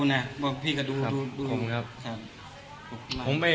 ไม่รู้นะ